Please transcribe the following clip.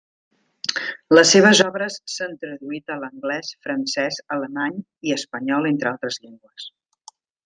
Les seves obres s'han traduït a l'anglès, francès, alemany i espanyol entre altres llengües.